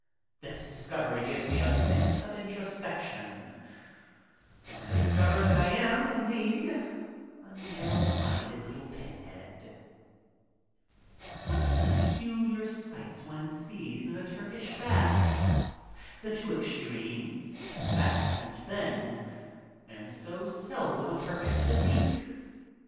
This discovery gives me a fit of introspection and I discover that I am, indeed, a narrow minded Httle pinhead. What peculiar sights one sees in a Turkish bath. The two extremes, fat and thin, and so seldom a perfect physique.